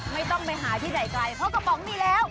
ไม่ต้องไปหาที่ไหนไกลเพราะกระป๋องมีแล้ว